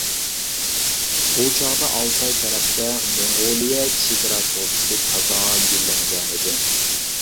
بۇ چاغدا ئالتاي تەرەپتە موڭغۇلىيە چېگرا سودىسى تازا گۈللەنگەنىدى.